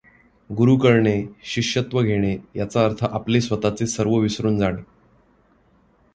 गुरू करणे, शिष्यत्व घेणे याचा अर्थ आपले स्वतःचे सर्व विसरून जाणे.